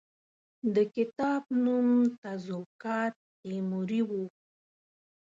د کتاب نوم تزوکات تیموري وو.